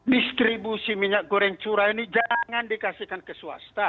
distribusi minyak goreng curah ini jangan dikasihkan ke swasta